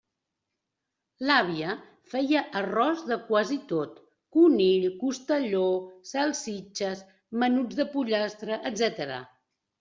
L'àvia feia arròs de quasi tot: conill, costelló, salsitxes, menuts de pollastre, etc.